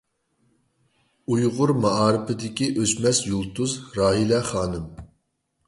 ئۇيغۇر مائارىپىدىكى ئۆچمەس يۇلتۇز — راھىلە خانىم.